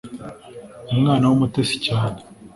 umwana wumutesi cyane.